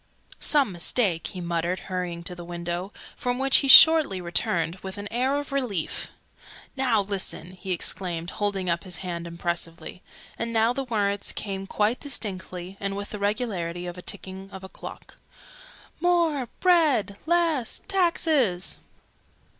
"Some mistake!" he muttered, hurrying to the window, from which he shortly returned with an air of relief. "Now listen!" he exclaimed, holding up his hand impressively. And now the words came quite distinctly, and with the regularity of the ticking of a clock, "More bread Less taxes!'"